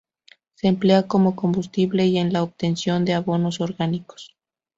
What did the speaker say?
Se emplea como combustible y en la obtención de abonos orgánicos.